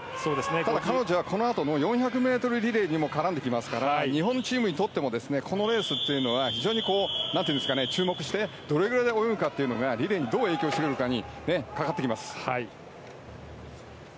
ただ、彼女はこのあとの４００ｍリレーにも絡んできますから日本チームにとってもこのレースは非常に注目して、どれくらいで泳ぐかということがリレーにどういう影響するのかにかかってきます。